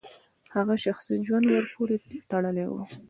هغه شخصي ژوند ورپورې تړلی و.